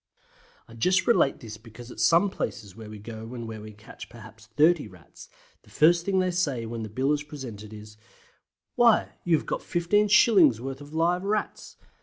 I just relate this because at some places where we go and where we catch perhaps 30 Rats, the first thing they say when the bill is presented is "Why, you have got 15s. worth of live Rats!"